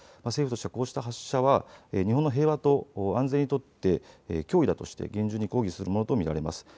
政府としてはこうした発射は日本の平和と安全にとって脅威だとして厳重に抗議するものと見られます。